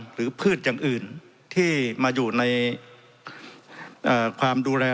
พืชอย่างอื่นที่มาอยู่ในความดูแล